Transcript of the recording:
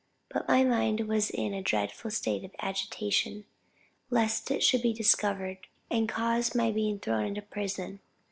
But my mind was in a dreadful state of agitation, lest it should be discovered, and cause my being thrown into prison.